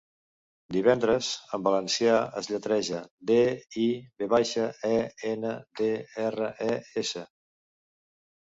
'Divendres' en valencià es lletreja: de, i, ve baixa, e, ene, de, erre, e, esse.